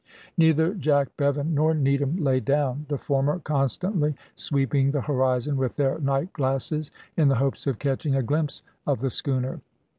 Neither Jack, Bevan, nor Needham lay down, the former constantly sweeping the horizon with their night glasses, in the hopes of catching a glimpse of the schooner.